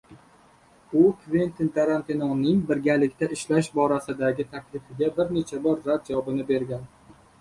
U Kventin Tarantinoning birgalikda ishlash borasidagi taklifiga bir necha bor rad javobini bergan